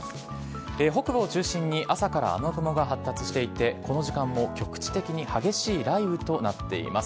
北部を中心に朝から雨雲が発達していて、この時間も局地的に激しい雷雨となっています。